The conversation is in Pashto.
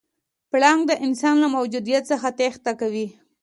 پړانګ د انسان له موجودیت څخه تېښته کوي.